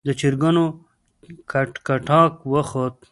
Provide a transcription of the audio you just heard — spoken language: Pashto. د چرګانو کټکټاک وخوت.